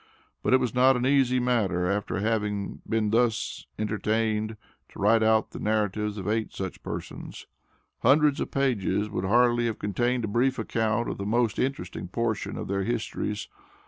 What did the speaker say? But it was not an easy matter, after having been thus entertained, to write out the narratives of eight such persons. Hundreds of pages would hardly have contained a brief account of the most interesting portion of their histories.